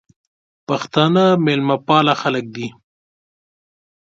پښتانه مېلمه پاله خلګ دي.